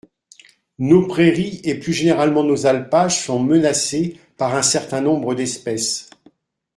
Nos prairies et plus généralement nos alpages sont menacés par un certain nombre d’espèces.